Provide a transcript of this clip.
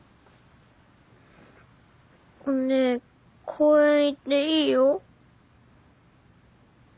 おねえ公園行っていいよ。